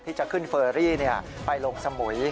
ที่จะขึ้นเฟอรี่ไปลงสมุย